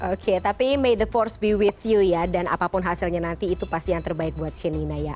oke tapi may the force be with you ya dan apapun hasilnya nanti itu pasti yang terbaik buat shenina ya